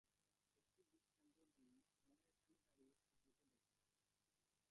একটি দৃষ্টান্ত দিই আমরা এখানে দাঁড়িয়ে সূর্যকে দেখছি।